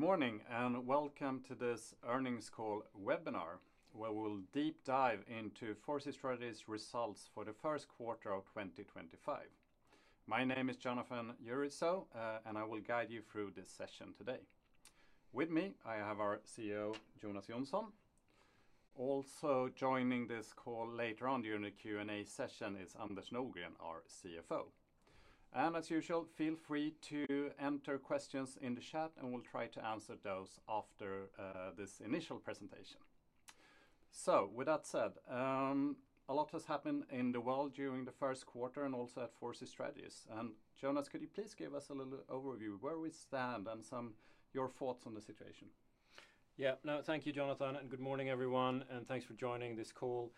Good morning and welcome to this Earnings Call Webinar, where we'll deep dive into 4C Strategies' Results for the First Quarter of 2025. My name is Jonatan Jürisoo, and I will guide you through this session today. With me, I have our CEO, Jonas Jonsson. Also joining this call later on during the Q&A session is Anders Nordgren, our CFO. As usual, feel free to enter questions in the chat, and we'll try to answer those after this initial presentation. With that said, a lot has happened in the world during the first quarter and also at 4C Strategies. Jonas, could you please give us a little overview of where we stand and some of your thoughts on the situation? Yeah, no, thank you, Jonathan, and good morning, everyone, and thanks for joining this call.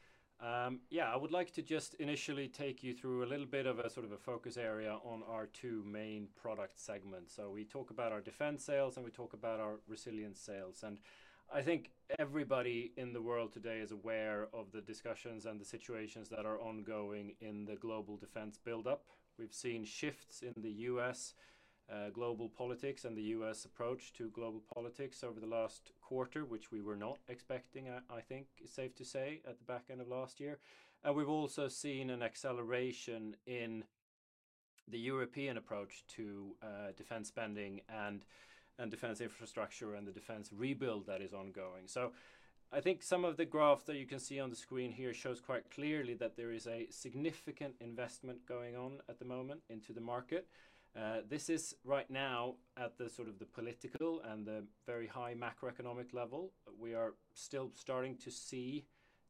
Yeah, I would like to just initially take you through a little bit of a sort of a focus area on our two main product segments. We talk about our defense sales, and we talk about our resilience sales. I think everybody in the world today is aware of the discussions and the situations that are ongoing in the global defense buildup. We've seen shifts in the U.S. global politics and the U.S. approach to global politics over the last quarter, which we were not expecting, I think it's safe to say, at the back end of last year. We've also seen an acceleration in the European approach to defense spending and defense infrastructure and the defense rebuild that is ongoing. I think some of the graphs that you can see on the screen here show quite clearly that there is a significant investment going on at the moment into the market. This is right now at the sort of the political and the very high macroeconomic level. We are still starting to see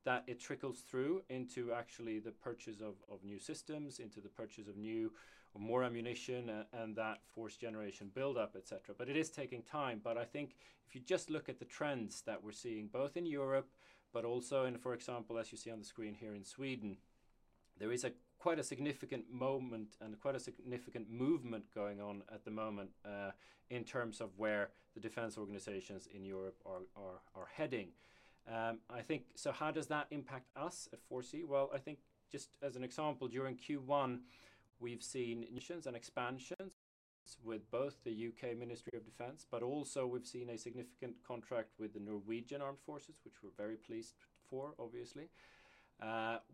that it trickles through into actually the purchase of new systems, into the purchase of new or more ammunition, and that fourth generation buildup, et cetera. It is taking time. I think if you just look at the trends that we're seeing both in Europe, but also in, for example, as you see on the screen here in Sweden, there is quite a significant moment and quite a significant movement going on at the moment in terms of where the defense organizations in Europe are heading. I think, so how does that impact us at 4C? I think just as an example, during Q1, we've seen missions and expansions with both the U.K. Ministry of Defence, but also we've seen a significant contract with the Norwegian Armed Forces, which we're very pleased for, obviously.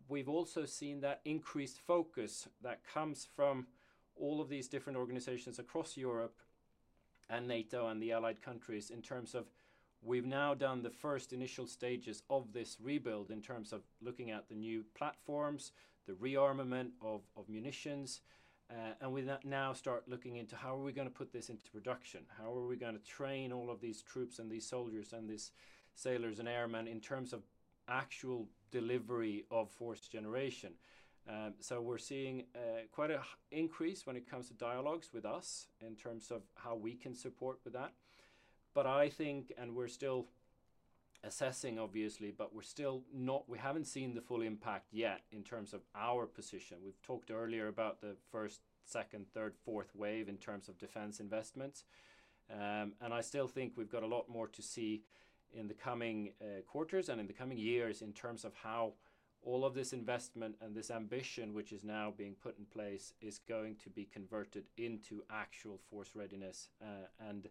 We've also seen that increased focus that comes from all of these different organizations across Europe and NATO and the allied countries in terms of we've now done the first initial stages of this rebuild in terms of looking at the new platforms, the rearmament of munitions. We now start looking into how are we going to put this into production, how are we going to train all of these troops and these soldiers and these sailors and airmen in terms of actual delivery of fourth generation. We're seeing quite an increase when it comes to dialogues with us in terms of how we can support with that. I think, and we're still assessing, obviously, but we're still not, we haven't seen the full impact yet in terms of our position. We've talked earlier about the first, second, third, fourth wave in terms of defense investments. I still think we've got a lot more to see in the coming quarters and in the coming years in terms of how all of this investment and this ambition, which is now being put in place, is going to be converted into actual force readiness and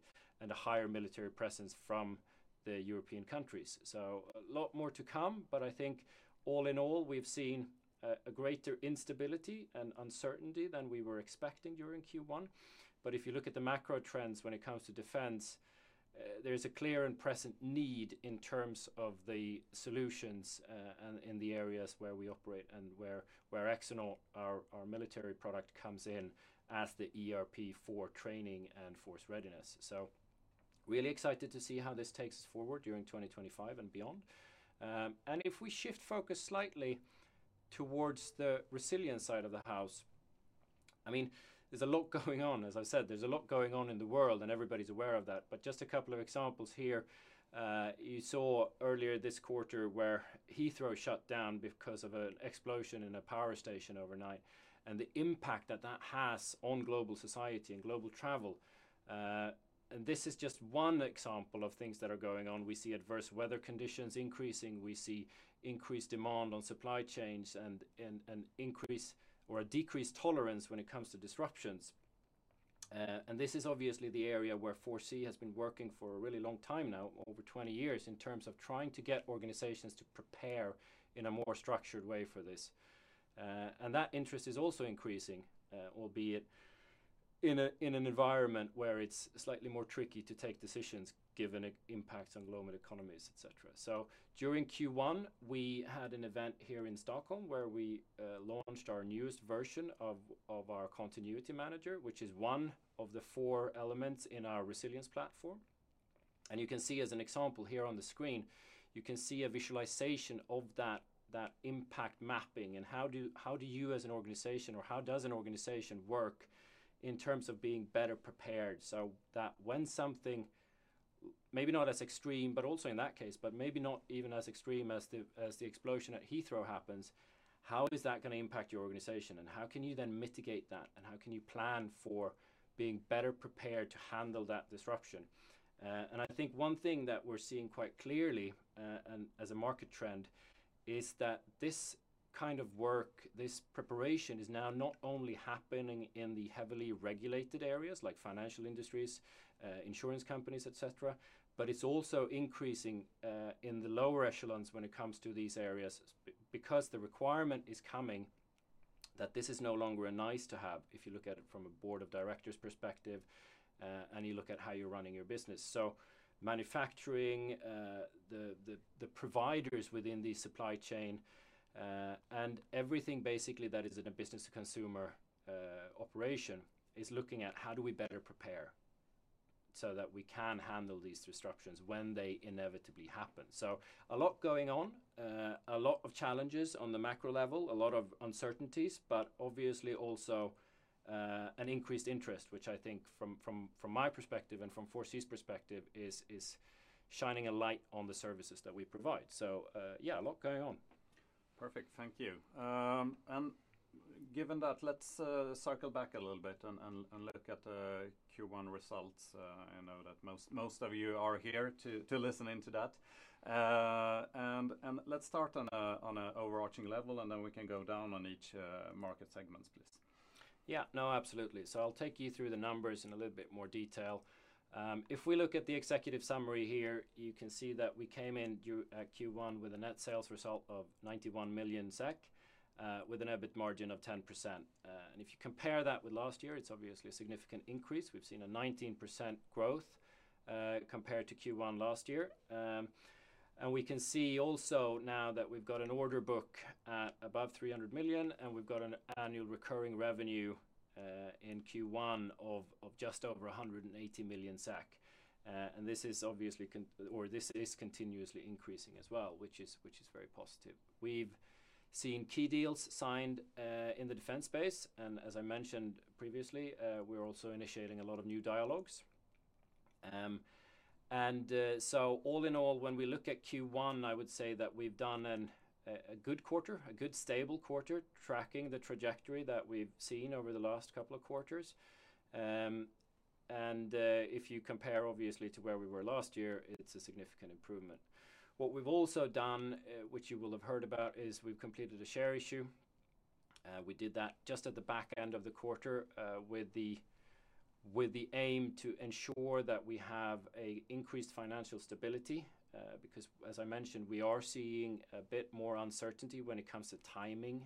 a higher military presence from the European countries. A lot more to come, but I think all in all, we've seen a greater instability and uncertainty than we were expecting during Q1. If you look at the macro trends when it comes to defense, there's a clear and present need in terms of the solutions in the areas where we operate and where Exonaut, our military product, comes in as the ERP for training and force readiness. Really excited to see how this takes us forward during 2025 and beyond. If we shift focus slightly towards the resilience side of the house, I mean, there's a lot going on. As I said, there's a lot going on in the world and everybody's aware of that. Just a couple of examples here. You saw earlier this quarter where Heathrow shut down because of an explosion in a power station overnight and the impact that that has on global society and global travel. This is just one example of things that are going on. We see adverse weather conditions increasing. We see increased demand on supply chains and an increase or a decreased tolerance when it comes to disruptions. This is obviously the area where 4C has been working for a really long time now, over 20 years in terms of trying to get organizations to prepare in a more structured way for this. That interest is also increasing, albeit in an environment where it's slightly more tricky to take decisions given the impact on global economies, et cetera. During Q1, we had an event here in Stockholm where we launched our newest version of our Continuity Manager, which is one of the four elements in our Resilience Platform. You can see as an example here on the screen, you can see a visualization of that impact mapping and how do you as an organization or how does an organization work in terms of being better prepared so that when something maybe not as extreme, but also in that case, but maybe not even as extreme as the explosion at Heathrow happens, how is that going to impact your organization and how can you then mitigate that and how can you plan for being better prepared to handle that disruption? I think one thing that we're seeing quite clearly as a market trend is that this kind of work, this preparation is now not only happening in the heavily regulated areas like financial industries, insurance companies, et cetera, but it's also increasing in the lower echelons when it comes to these areas because the requirement is coming that this is no longer a nice to have if you look at it from a board of directors perspective and you look at how you're running your business. Manufacturing, the providers within the supply chain, and everything basically that is in a business to consumer operation is looking at how do we better prepare so that we can handle these disruptions when they inevitably happen. A lot going on, a lot of challenges on the macro level, a lot of uncertainties, but obviously also an increased interest, which I think from my perspective and from 4C's perspective is shining a light on the services that we provide. Yeah, a lot going on. Perfect. Thank you. Given that, let's circle back a little bit and look at the Q1 results. I know that most of you are here to listen into that. Let's start on an overarching level and then we can go down on each market segment, please. Yeah, no, absolutely. I'll take you through the numbers in a little bit more detail. If we look at the executive summary here, you can see that we came in Q1 with a net sales result of 91 million SEK with an EBIT margin of 10%. If you compare that with last year, it's obviously a significant increase. We've seen a 19% growth compared to Q1 last year. We can see also now that we've got an order book above 300 million and we've got an annual recurring revenue in Q1 of just over 180 million. This is obviously, or this is continuously increasing as well, which is very positive. We've seen key deals signed in the defense space. As I mentioned previously, we're also initiating a lot of new dialogues. All in all, when we look at Q1, I would say that we've done a good quarter, a good stable quarter tracking the trajectory that we've seen over the last couple of quarters. If you compare obviously to where we were last year, it's a significant improvement. What we've also done, which you will have heard about, is we've completed a share issue. We did that just at the back end of the quarter with the aim to ensure that we have an increased financial stability because, as I mentioned, we are seeing a bit more uncertainty when it comes to timing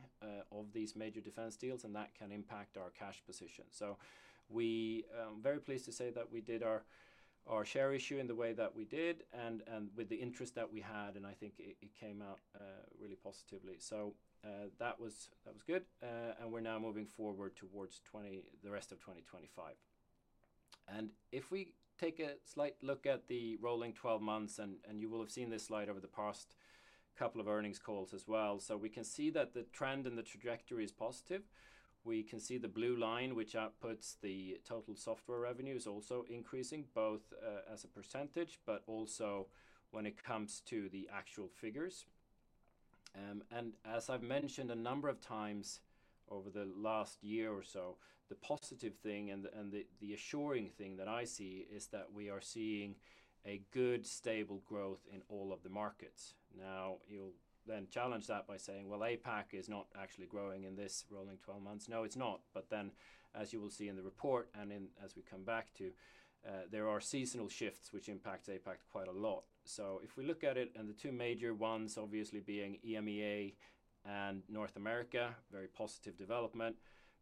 of these major defense deals and that can impact our cash position. We are very pleased to say that we did our share issue in the way that we did and with the interest that we had, and I think it came out really positively. That was good. We are now moving forward towards the rest of 2025. If we take a slight look at the rolling 12 months, you will have seen this slide over the past couple of earnings calls as well. We can see that the trend and the trajectory is positive. We can see the blue line, which outputs the total software revenues, also increasing both as a percentage, but also when it comes to the actual figures. As I've mentioned a number of times over the last year or so, the positive thing and the assuring thing that I see is that we are seeing a good stable growth in all of the markets. You'll then challenge that by saying, well, APAC is not actually growing in this rolling 12 months. No, it's not. As you will see in the report and as we come back to, there are seasonal shifts which impact APAC quite a lot. If we look at it and the two major ones obviously being EMEA and North America, very positive development,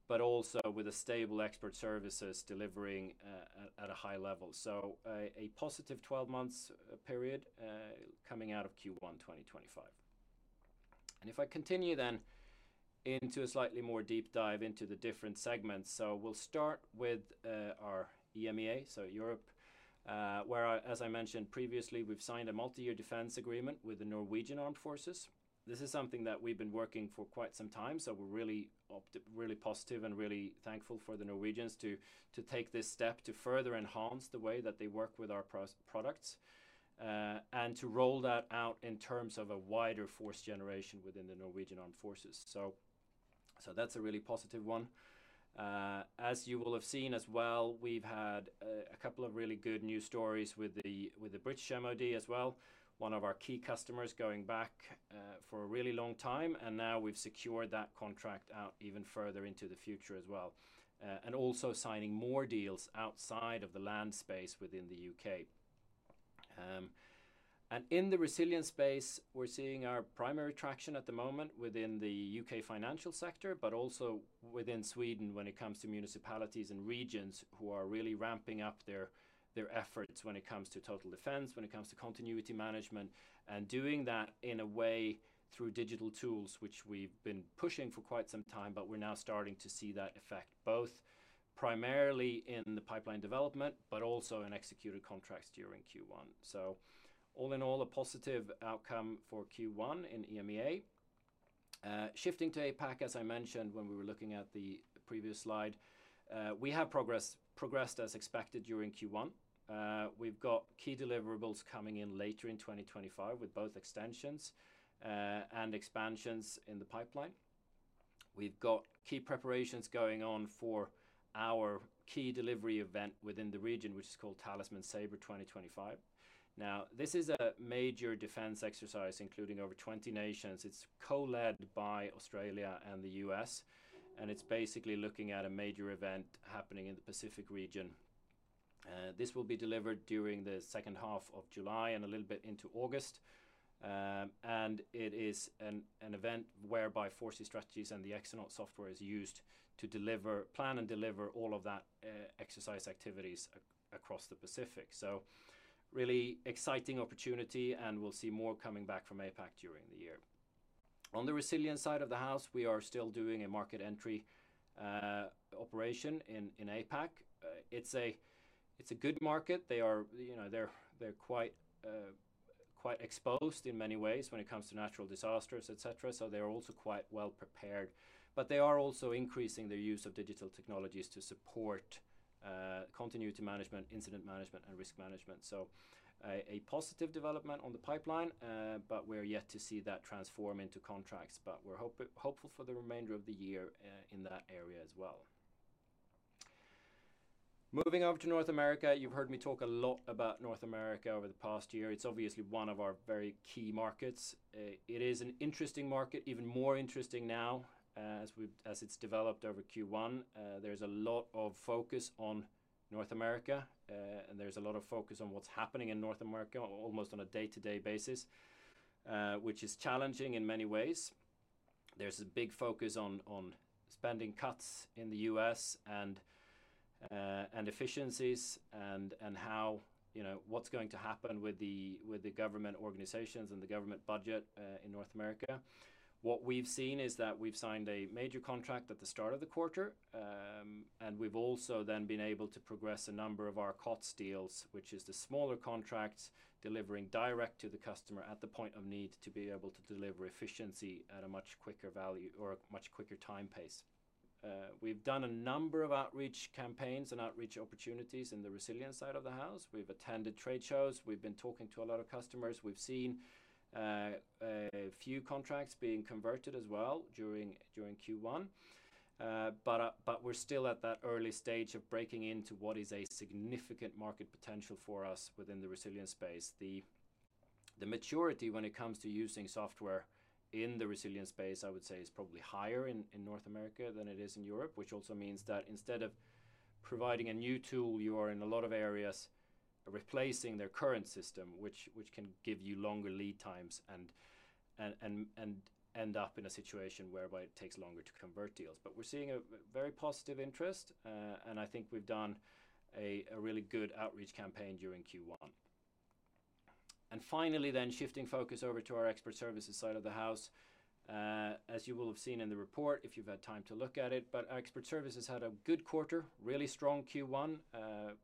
but also with a stable Expert Services delivering at a high level. A positive 12-month period coming out of Q1 2025. If I continue then into a slightly more deep dive into the different segments, we'll start with our EMEA, so Europe, where, as I mentioned previously, we've signed a multi-year defense agreement with the Norwegian Armed Forces. This is something that we've been working for quite some time. We're really positive and really thankful for the Norwegians to take this step to further enhance the way that they work with our products and to roll that out in terms of a wider force generation within the Norwegian Armed Forces. That's a really positive one. As you will have seen as well, we've had a couple of really good news stories with the British MOD as well, one of our key customers going back for a really long time. Now we've secured that contract out even further into the future as well, also signing more deals outside of the land space within the U.K. In the resilience space, we're seeing our primary traction at the moment within the U.K. financial sector, but also within Sweden when it comes to municipalities and regions who are really ramping up their efforts when it comes to total defense, when it comes to continuity management, and doing that in a way through digital tools, which we've been pushing for quite some time, but we're now starting to see that effect both primarily in the pipeline development, but also in executed contracts during Q1. All in all, a positive outcome for Q1 in EMEA. Shifting to APAC, as I mentioned when we were looking at the previous slide, we have progressed as expected during Q1. We've got key deliverables coming in later in 2025 with both extensions and expansions in the pipeline. We've got key preparations going on for our key delivery event within the region, which is called Talisman Sabre 2025. Now, this is a major defense exercise including over 20 nations. It's co-led by Australia and the US, and it's basically looking at a major event happening in the Pacific region. This will be delivered during the second half of July and a little bit into August. It is an event whereby 4C Strategies and the Exonaut software is used to plan and deliver all of that exercise activities across the Pacific. Really exciting opportunity, and we'll see more coming back from APAC during the year. On the resilience side of the house, we are still doing a market entry operation in APAC. It's a good market. They're quite exposed in many ways when it comes to natural disasters, et cetera. They're also quite well prepared, but they are also increasing their use of digital technologies to support continuity management, incident management, and risk management. A positive development on the pipeline, but we're yet to see that transform into contracts. We're hopeful for the remainder of the year in that area as well. Moving over to North America, you've heard me talk a lot about North America over the past year. It's obviously one of our very key markets. It is an interesting market, even more interesting now as it's developed over Q1. There's a lot of focus on North America, and there's a lot of focus on what's happening in North America almost on a day-to-day basis, which is challenging in many ways. There's a big focus on spending cuts in the U.S. and efficiencies and what's going to happen with the government organizations and the government budget in North America. What we've seen is that we've signed a major contract at the start of the quarter, and we've also then been able to progress a number of our COTS deals, which is the smaller contracts delivering direct to the customer at the point of need to be able to deliver efficiency at a much quicker value or a much quicker time pace. We've done a number of outreach campaigns and outreach opportunities in the resilient side of the house. We've attended trade shows. We've been talking to a lot of customers. We've seen a few contracts being converted as well during Q1, but we're still at that early stage of breaking into what is a significant market potential for us within the resilient space. The maturity when it comes to using software in the resilient space, I would say, is probably higher in North America than it is in Europe, which also means that instead of providing a new tool, you are in a lot of areas replacing their current system, which can give you longer lead times and end up in a situation whereby it takes longer to convert deals. We're seeing a very positive interest, and I think we've done a really good outreach campaign during Q1. Finally, shifting focus over to our expert services side of the house, as you will have seen in the report if you've had time to look at it, our expert services had a good quarter, really strong Q1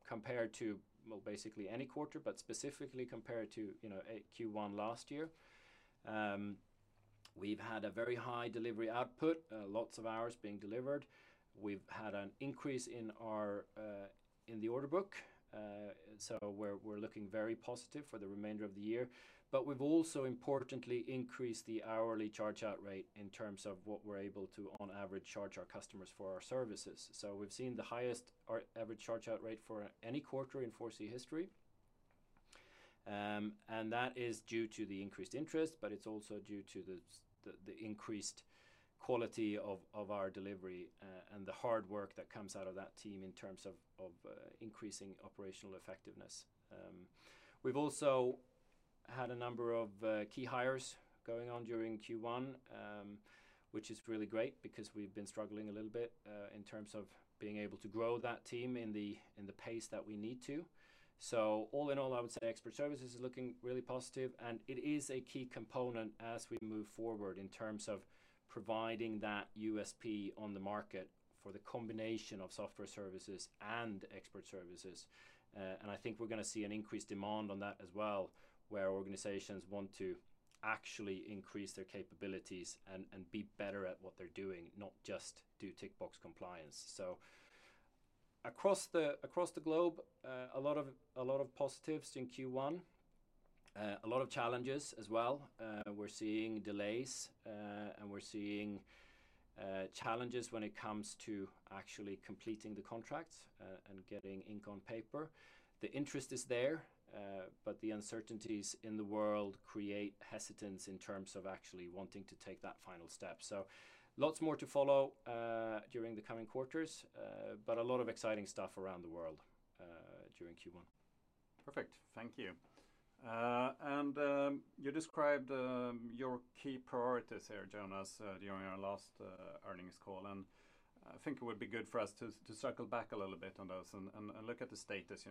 compared to, well, basically any quarter, but specifically compared to Q1 last year. We've had a very high delivery output, lots of hours being delivered. We've had an increase in the order book, so we're looking very positive for the remainder of the year. We've also importantly increased the hourly chargeout rate in terms of what we're able to, on average, charge our customers for our services. We've seen the highest average chargeout rate for any quarter in 4C history. That is due to the increased interest, but it's also due to the increased quality of our delivery and the hard work that comes out of that team in terms of increasing operational effectiveness. We've also had a number of key hires going on during Q1, which is really great because we've been struggling a little bit in terms of being able to grow that team in the pace that we need to. All in all, I would say expert services is looking really positive, and it is a key component as we move forward in terms of providing that USP on the market for the combination of software services and expert services. I think we're going to see an increased demand on that as well, where organizations want to actually increase their capabilities and be better at what they're doing, not just do tick-box compliance. Across the globe, a lot of positives in Q1, a lot of challenges as well. We're seeing delays, and we're seeing challenges when it comes to actually completing the contracts and getting ink on paper. The interest is there, but the uncertainties in the world create hesitance in terms of actually wanting to take that final step. Lots more to follow during the coming quarters, but a lot of exciting stuff around the world during Q1. Perfect. Thank you. You described your key priorities here, Jonas, during our last earnings call. I think it would be good for us to circle back a little bit on those and look at the status,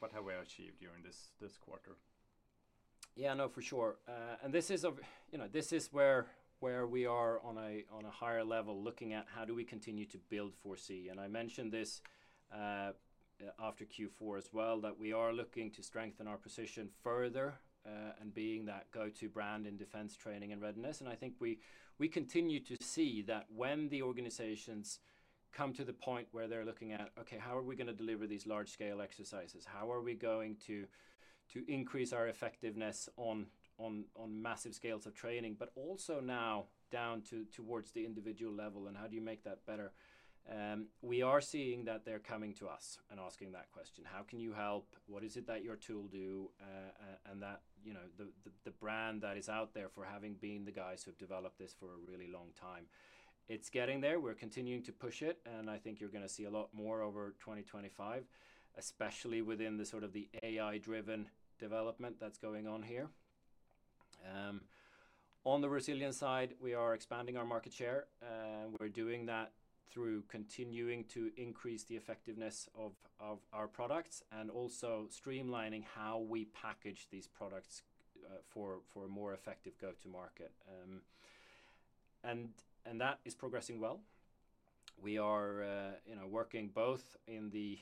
what have we achieved during this quarter? Yeah, no, for sure. This is where we are on a higher level looking at how do we continue to build 4C. I mentioned this after Q4 as well, that we are looking to strengthen our position further and being that go-to brand in defense training and readiness. I think we continue to see that when the organizations come to the point where they're looking at, okay, how are we going to deliver these large-scale exercises? How are we going to increase our effectiveness on massive scales of training, but also now down towards the individual level and how do you make that better? We are seeing that they're coming to us and asking that question, how can you help? What is it that your tool do? The brand that is out there for having been the guys who have developed this for a really long time, it's getting there. We're continuing to push it. I think you're going to see a lot more over 2025, especially within the sort of the AI-driven development that's going on here. On the resilient side, we are expanding our market share. We're doing that through continuing to increase the effectiveness of our products and also streamlining how we package these products for a more effective go-to-market. That is progressing well. We are working both in the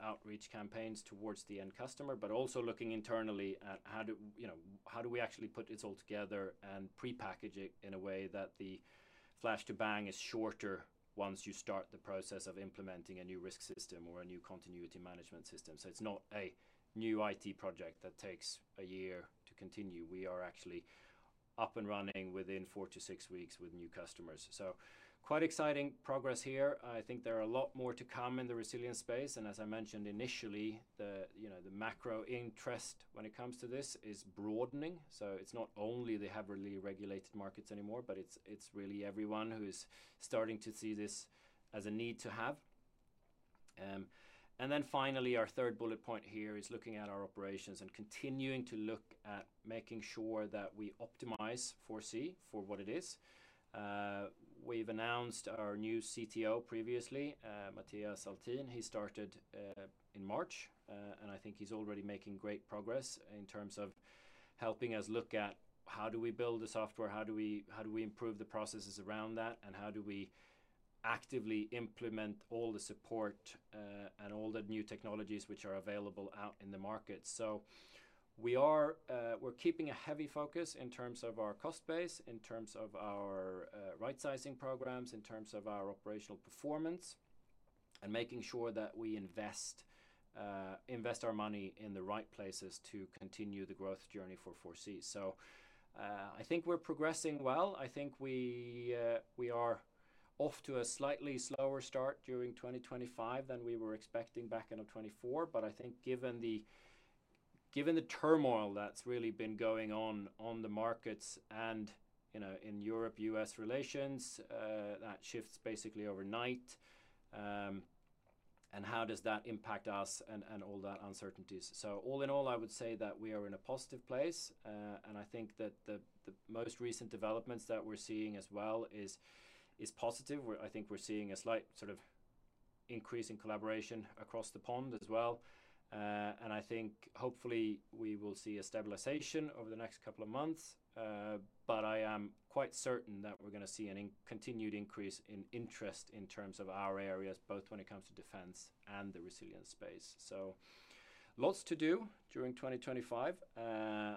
outreach campaigns towards the end customer, but also looking internally at how do we actually put this all together and pre-package it in a way that the flash-to-bang is shorter once you start the process of implementing a new risk system or a new continuity management system. It is not a new IT project that takes a year to continue. We are actually up and running within four to six weeks with new customers. Quite exciting progress here. I think there are a lot more to come in the resilient space. As I mentioned initially, the macro interest when it comes to this is broadening. It is not only the heavily regulated markets anymore, but it is really everyone who is starting to see this as a need to have. Finally, our third bullet point here is looking at our operations and continuing to look at making sure that we optimize 4C for what it is. We have announced our new CTO previously, Mattias Altein. He started in March, and I think he's already making great progress in terms of helping us look at how do we build the software, how do we improve the processes around that, and how do we actively implement all the support and all the new technologies which are available out in the market. We are keeping a heavy focus in terms of our cost base, in terms of our right-sizing programs, in terms of our operational performance, and making sure that we invest our money in the right places to continue the growth journey for 4C. I think we're progressing well. I think we are off to a slightly slower start during 2025 than we were expecting back in 2024. I think given the turmoil that's really been going on in the markets and in Europe, U.S. relations, that shifts basically overnight, and how does that impact us and all that uncertainties. All in all, I would say that we are in a positive place. I think that the most recent developments that we're seeing as well is positive. I think we're seeing a slight sort of increase in collaboration across the pond as well. I think hopefully we will see a stabilization over the next couple of months, but I am quite certain that we're going to see a continued increase in interest in terms of our areas, both when it comes to defense and the resilient space. Lots to do during 2025, a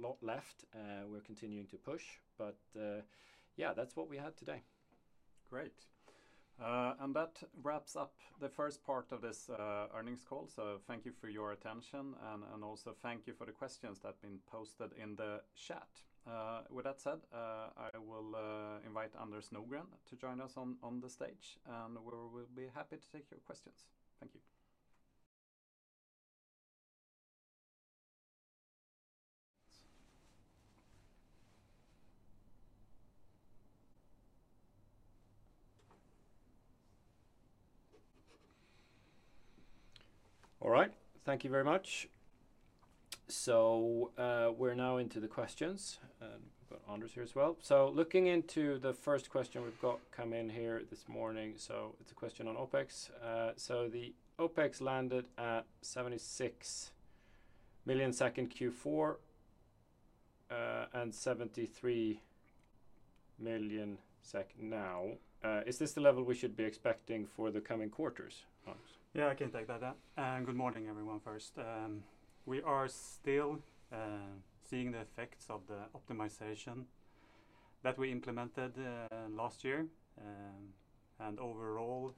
lot left. We're continuing to push, but yeah, that's what we had today. Great. That wraps up the first part of this earnings call. Thank you for your attention and also thank you for the questions that have been posted in the chat. With that said, I will invite Anders Nordgren to join us on the stage, and we will be happy to take your questions. Thank you. All right. Thank you very much. We are now into the questions. We have got Anders here as well. Looking into the first question we have got come in here this morning, it is a question on OpEx. The OpEx landed at 76 million in Q4 and 73 million SEK now. Is this the level we should be expecting for the coming quarters, Anders? Yeah, I can take that out. Good morning, everyone first. We are still seeing the effects of the optimization that we implemented last year. Overall,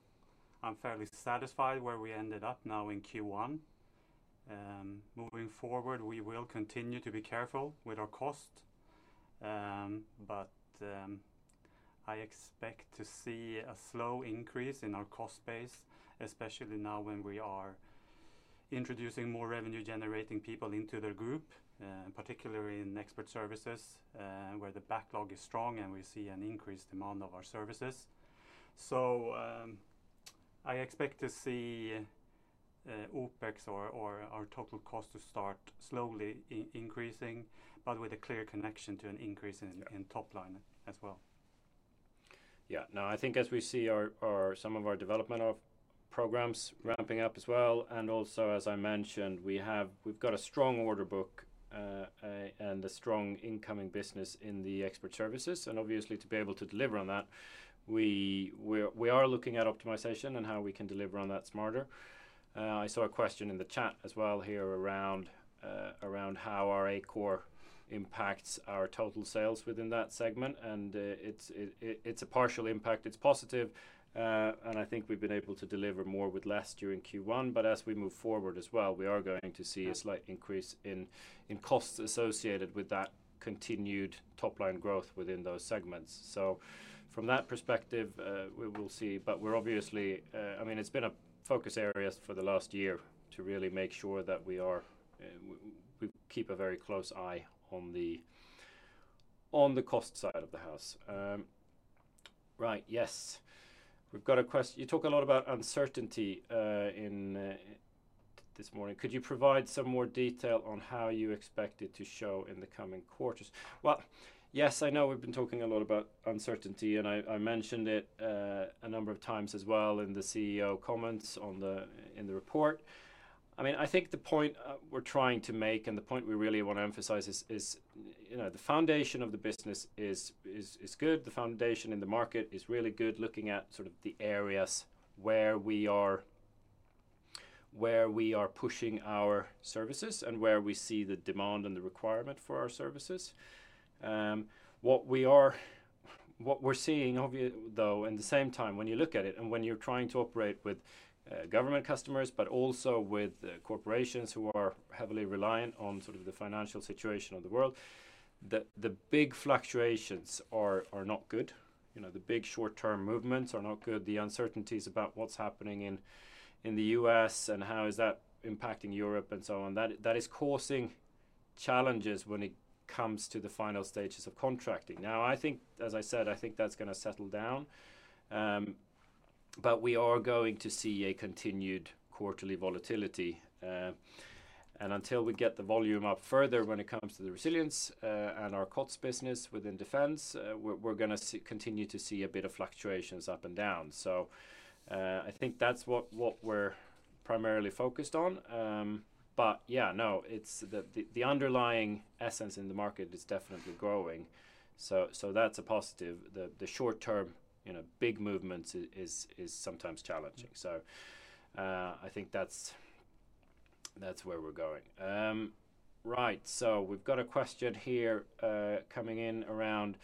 I'm fairly satisfied where we ended up now in Q1. Moving forward, we will continue to be careful with our cost, but I expect to see a slow increase in our cost base, especially now when we are introducing more revenue-generating people into the group, particularly in Expert Services where the backlog is strong and we see an increased demand of our services. I expect to see OpEx or our total cost to start slowly increasing, but with a clear connection to an increase in top line as well. Yeah. No, I think as we see some of our development of programs ramping up as well. Also, as I mentioned, we've got a strong order book and a strong incoming business in the Expert Services. Obviously, to be able to deliver on that, we are looking at optimization and how we can deliver on that smarter. I saw a question in the chat as well here around how our ARR impacts our total sales within that segment. It's a partial impact. It's positive. I think we've been able to deliver more with less during Q1. As we move forward as well, we are going to see a slight increase in costs associated with that continued top line growth within those segments. From that perspective, we will see. We're obviously, I mean, it's been a focus area for the last year to really make sure that we keep a very close eye on the cost side of the house. Right. Yes. We've got a question. You talk a lot about uncertainty this morning. Could you provide some more detail on how you expect it to show in the coming quarters? Yes, I know we've been talking a lot about uncertainty, and I mentioned it a number of times as well in the CEO comments in the report. I mean, I think the point we're trying to make and the point we really want to emphasize is the foundation of the business is good. The foundation in the market is really good looking at sort of the areas where we are pushing our services and where we see the demand and the requirement for our services. What we're seeing, though, in the same time, when you look at it and when you're trying to operate with government customers, but also with corporations who are heavily reliant on sort of the financial situation of the world, the big fluctuations are not good. The big short-term movements are not good. The uncertainties about what's happening in the U.S. and how is that impacting Europe and so on, that is causing challenges when it comes to the final stages of contracting. Now, I think, as I said, I think that's going to settle down, but we are going to see a continued quarterly volatility. Until we get the volume up further when it comes to the resilience and our COTS business within defense, we're going to continue to see a bit of fluctuations up and down. I think that's what we're primarily focused on. Yeah, no, the underlying essence in the market is definitely growing. That's a positive. The short-term big movements are sometimes challenging. I think that's where we're going. Right. We've got a question here coming in around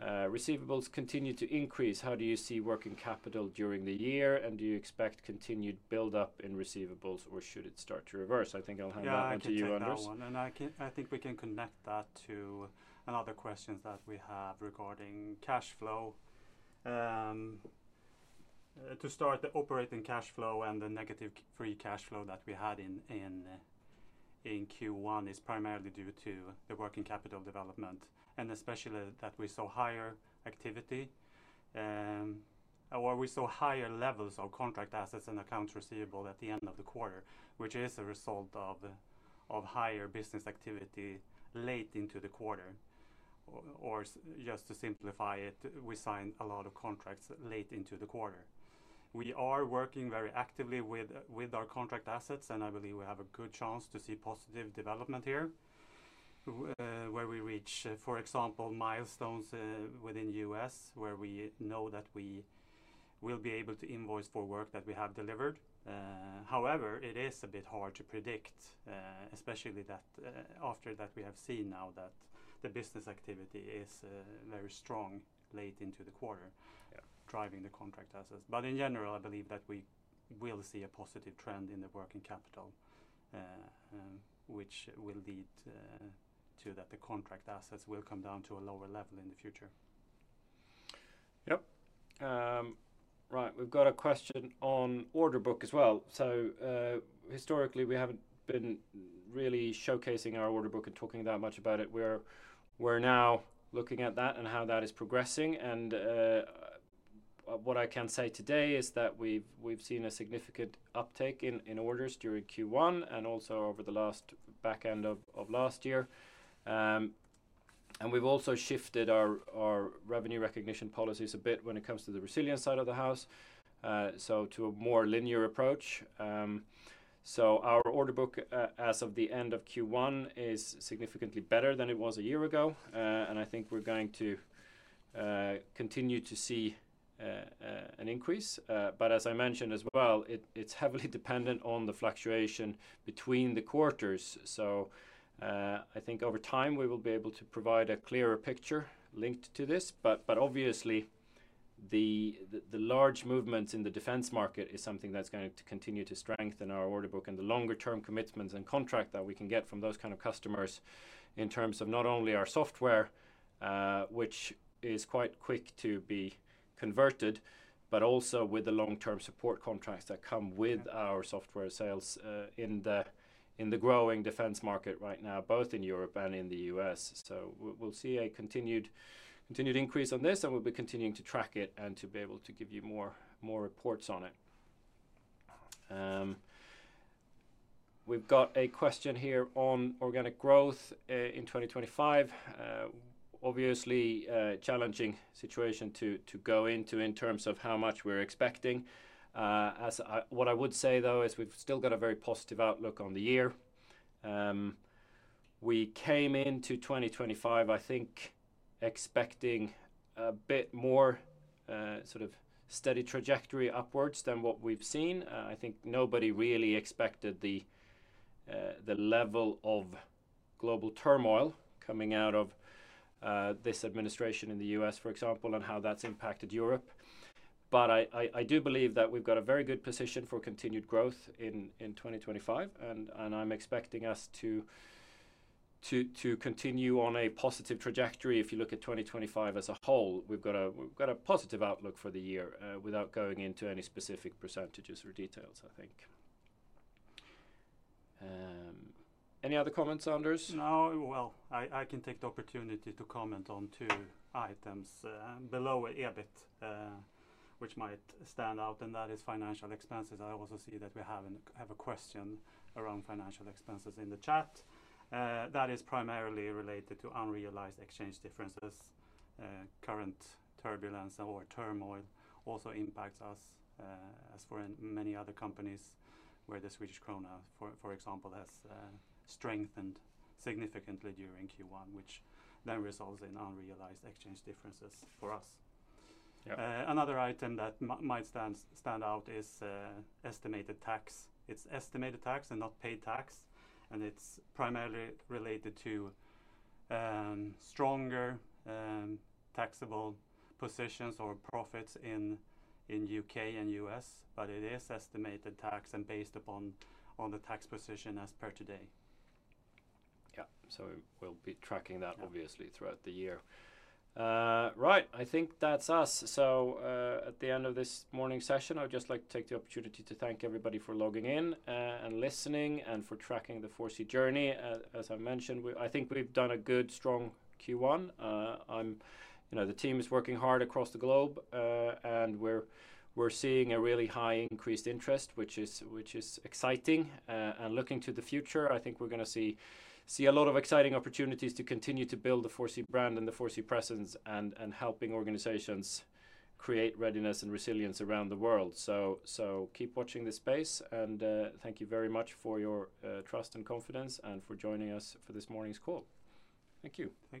receivables continue to increase. How do you see working capital during the year, and do you expect continued build-up in receivables, or should it start to reverse? I think I'll hand that over to you, Anders. Yeah, I'll hand that over. I think we can connect that to another question that we have regarding cash flow. To start, the operating cash flow and the negative free cash flow that we had in Q1 is primarily due to the working capital development, and especially that we saw higher activity or we saw higher levels of contract assets and accounts receivable at the end of the quarter, which is a result of higher business activity late into the quarter. Just to simplify it, we signed a lot of contracts late into the quarter. We are working very actively with our contract assets, and I believe we have a good chance to see positive development here where we reach, for example, milestones within the U.S. where we know that we will be able to invoice for work that we have delivered. However, it is a bit hard to predict, especially after that we have seen now that the business activity is very strong late into the quarter driving the contract assets. In general, I believe that we will see a positive trend in the working capital, which will lead to that the contract assets will come down to a lower level in the future. Right. We've got a question on order book as well. Historically, we haven't been really showcasing our order book and talking that much about it. We're now looking at that and how that is progressing. What I can say today is that we've seen a significant uptake in orders during Q1 and also over the last back end of last year. We've also shifted our revenue recognition policies a bit when it comes to the resilient side of the house, to a more linear approach. Our order book as of the end of Q1 is significantly better than it was a year ago. I think we're going to continue to see an increase. As I mentioned as well, it's heavily dependent on the fluctuation between the quarters. I think over time, we will be able to provide a clearer picture linked to this. Obviously, the large movements in the defense market are something that's going to continue to strengthen our order book and the longer-term commitments and contracts that we can get from those kind of customers in terms of not only our software, which is quite quick to be converted, but also with the long-term support contracts that come with our software sales in the growing defense market right now, both in Europe and in the U.S. We will see a continued increase on this, and we will be continuing to track it and to be able to give you more reports on it. We've got a question here on organic growth in 2025. Obviously, challenging situation to go into in terms of how much we're expecting. What I would say, though, is we've still got a very positive outlook on the year. We came into 2025, I think, expecting a bit more sort of steady trajectory upwards than what we've seen. I think nobody really expected the level of global turmoil coming out of this administration in the U.S., for example, and how that's impacted Europe. I do believe that we've got a very good position for continued growth in 2025, and I'm expecting us to continue on a positive trajectory if you look at 2025 as a whole. We've got a positive outlook for the year without going into any specific percentages or details, I think. Any other comments, Anders? No. I can take the opportunity to comment on two items below a bit, which might stand out, and that is financial expenses. I also see that we have a question around financial expenses in the chat. That is primarily related to unrealized exchange differences. Current turbulence or turmoil also impacts us, as for many other companies where the Swedish krona, for example, has strengthened significantly during Q1, which then results in unrealized exchange differences for us. Another item that might stand out is estimated tax. It is estimated tax and not paid tax, and it is primarily related to stronger taxable positions or profits in the U.K. and U.S., but it is estimated tax and based upon the tax position as per today. Yeah. We'll be tracking that obviously throughout the year. Right. I think that's us. At the end of this morning session, I'd just like to take the opportunity to thank everybody for logging in and listening and for tracking the 4C journey. As I mentioned, I think we've done a good, strong Q1. The team is working hard across the globe, and we're seeing a really high increased interest, which is exciting. Looking to the future, I think we're going to see a lot of exciting opportunities to continue to build the 4C brand and the 4C presence and helping organizations create readiness and resilience around the world. Keep watching this space, and thank you very much for your trust and confidence and for joining us for this morning's call. Thank you. Thank you.